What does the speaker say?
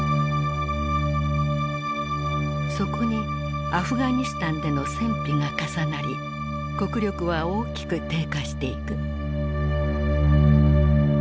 そこにアフガニスタンでの戦費が重なり国力は大きく低下していく。